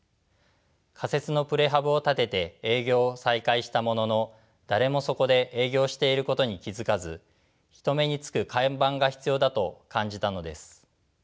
仮設のプレハブを建てて営業を再開したものの誰もそこで営業していることに気付かず人目につく看板が必要だと感じたのです。